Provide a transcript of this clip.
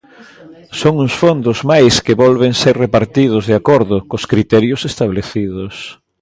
Son uns fondos mais que volven ser repartidos de acordo cos criterios establecidos.